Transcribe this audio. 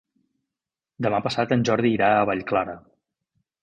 Demà passat en Jordi irà a Vallclara.